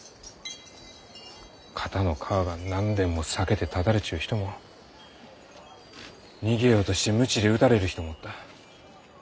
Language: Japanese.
肩の皮が何べんも裂けてただれちゅう人も逃げようとして鞭で打たれる人もおった。